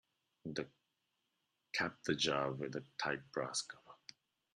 Cap the jar with a tight brass cover.